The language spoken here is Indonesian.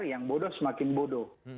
yang bodoh semakin bodoh